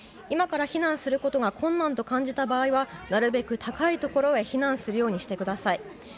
今から避難することが困難と感じた場合はなるべく高い所へ避難するようにしてください。